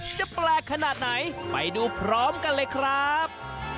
แปลกขนาดไหนไปดูพร้อมกันเลยครับ